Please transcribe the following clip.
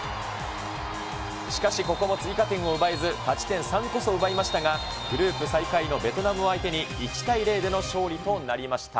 しかしここも追加点を奪えず勝ち点３こそ奪いましたが、グループ最下位のベトナムを相手に１対０での勝利となりました。